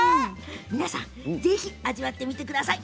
皆さんぜひ味わってみてください。